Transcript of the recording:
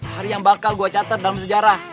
hari yang bakal gue catat dalam sejarah